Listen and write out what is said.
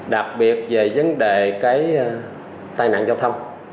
đặc biệt về vấn đề cái tai nạn giao thông